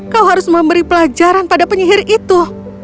kau harus memberi pelajaran pada penyihir itu